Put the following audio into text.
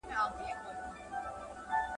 زه سیر نه کوم؟